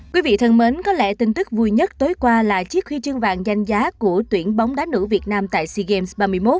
quý vị thân mến có lẽ tin tức vui nhất tối qua là chiếc huy chương vàng danh giá của tuyển bóng đá nữ việt nam tại sea games ba mươi một